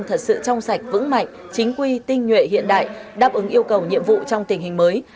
thật sự trong sạch vững mạnh chính quy tinh nhuệ hiện đại đáp ứng yêu cầu nhiệm vụ trong tình hình mới